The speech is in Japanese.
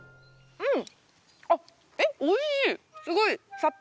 うん。